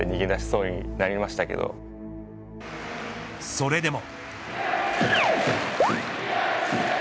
それでも。